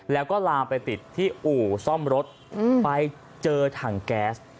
แล้วก็ลามไปติดที่อู่ซ่อมรถไปเจอถังแก๊ส